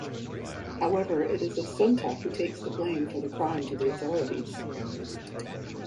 However it is Assunta who takes the blame for the crime to the authorities.